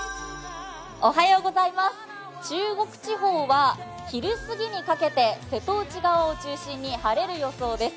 中国地方は昼すぎにかけて瀬戸内側を中心に晴れる予想です。